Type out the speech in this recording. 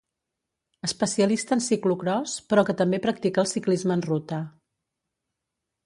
Especialista en ciclocròs, però que també practica el ciclisme en ruta.